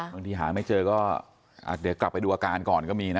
บางทีหาไม่เจอก็เดี๋ยวกลับไปดูอาการก่อนก็มีนะ